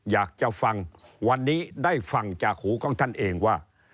อยากจะฟังวันนี้ได้ฟังจากหูของท่านเองว่า